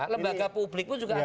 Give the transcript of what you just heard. lembaga publik pun juga ada